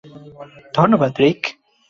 ধন্যবাদ, রিক।